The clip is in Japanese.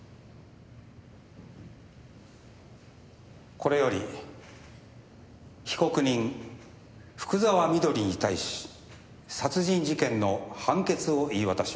これより被告人福沢美登里に対し殺人事件の判決を言い渡します。